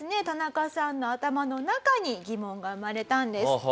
タナカさんの頭の中に疑問が生まれたんです。